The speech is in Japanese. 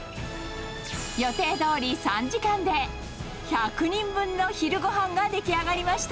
予定どおり３時間で１００人分の昼ごはんが出来上がりました。